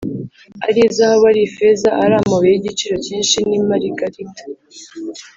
ari izahabu ari ifeza, ari amabuye y’igiciro cyinshi n’imaragarita,